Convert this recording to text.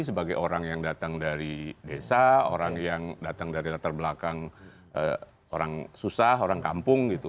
sebagai orang yang datang dari desa orang yang datang dari latar belakang orang susah orang kampung gitu